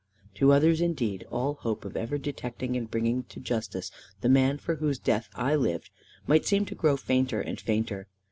To others indeed, all hope of ever detecting and bringing to justice the man, for whose death I lived, might seem to grow fainter and fainter.